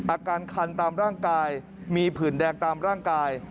อาการคันตามร่างกายมีผื่นแดงตามร่างกาย